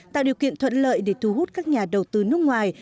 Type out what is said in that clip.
tạo điều kiện thuận lợi để thu hút các nhà đầu tư nước ngoài